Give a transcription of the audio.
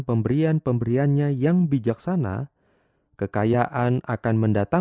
pada engkau juru selamat